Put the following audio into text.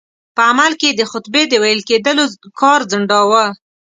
په عمل کې یې د خطبې د ویل کېدلو کار ځنډاوه.